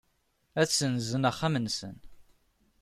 Ad ssenzen axxam-nsen.